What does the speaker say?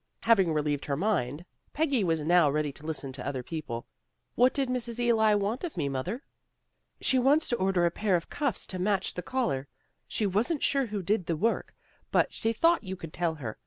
Having relieved her mind, Peggy was now ready to listen to other people. ' What did Mrs. Ely want of me, mother? " 134 THE GIRLS OF FRIENDLY TERRACE " She wants to order a pair of cuffs to match the collar. She wasn't sure who did the work, but she thought you could tell her.